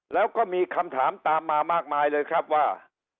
แล้วก็มีคำถามตามมามากมายเลยครับว่า